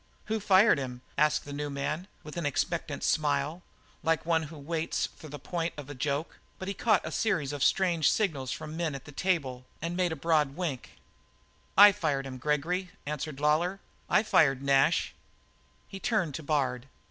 "Who fired him?" asked the new man, with an expectant smile, like one who waits for the point of a joke, but he caught a series of strange signals from men at the table and many a broad wink. "I fired him, Gregory," answered Lawlor. "I fired Nash!" He turned to Bard.